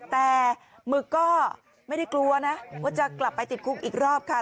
แต่หมึกก็ไม่ได้กลัวนะว่าจะกลับไปติดคุกอีกรอบค่ะ